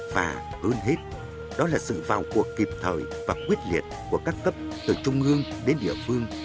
và hơn hết đó là sự vào cuộc kịp thời và quyết liệt của các cấp từ trung ương đến địa phương